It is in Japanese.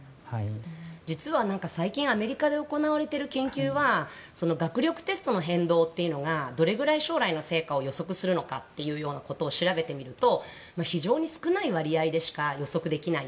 実は最近アメリカで行われている研究は学力テストの変動というのがどれくらい将来の成果を予測するのかというのを調べてみると非常に少ない割合でしか予測できない。